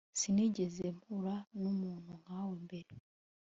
Sinigeze mpura numuntu nkawe mbere